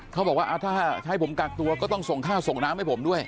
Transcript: เขาบอกว่าถ้าให้ผมกักตัวก็ต้องส่งค่าส่งน้ำให้ผมด้วย